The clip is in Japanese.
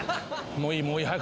もういい。